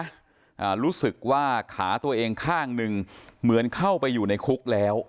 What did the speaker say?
อ่ารู้สึกว่าขาตัวเองข้างหนึ่งเหมือนเข้าไปอยู่ในคุกแล้ว